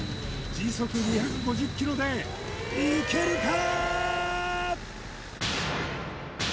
時速２５０ｋｍでいけるか？